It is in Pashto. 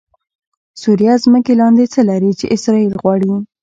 سوریه ځمکې لاندې څه لري چې اسرایل غواړي؟😱